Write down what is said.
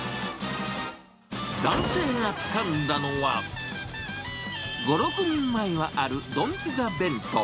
男性がつかんだのは、５、６人前はある丼ピザ弁当。